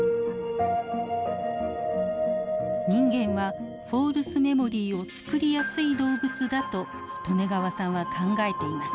人間はフォールスメモリーを作りやすい動物だと利根川さんは考えています。